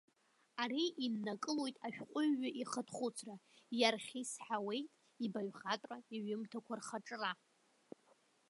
Ари иннакылоит ашәҟәыҩҩы ихатә хәыцра, иархьысҳауеит ибаҩхатәра, иҩымҭақәа рхаҿра.